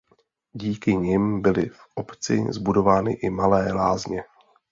Díky nim byly v obci zbudovány i malé lázně.